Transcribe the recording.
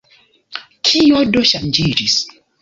Kio do ŝanĝiĝis?